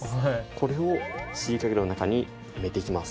これをシリカゲルの中に埋めていきます。